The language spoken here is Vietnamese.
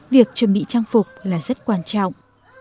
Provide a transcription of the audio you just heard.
việc chuẩn bị trang phục là rất quan trọng